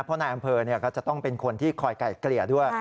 เพราะนายอำเภอก็จะต้องเป็นคนที่คอยไก่เกลี่ยด้วย